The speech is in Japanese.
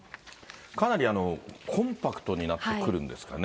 かなりコンパクトになってくるんですかね。